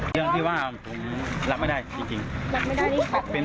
เรื่องที่ว่าผมรับไม่ได้จริงจริงรับไม่ได้นี่ค่ะเป็น